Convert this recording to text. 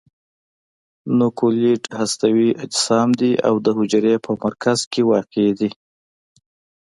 نوکلوئید هستوي اجسام دي او د حجرې په مرکز کې واقع دي.